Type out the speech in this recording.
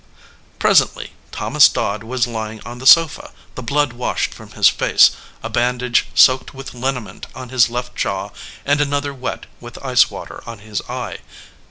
Presently Thomas Dodd was lying on the sofa, the blood washed from his face, a bandage soaked with linament on his left jaw and another wet with ice water on his eye.